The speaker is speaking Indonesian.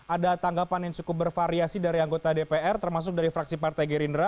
ada tanggapan yang cukup bervariasi dari anggota dpr termasuk dari fraksi partai gerindra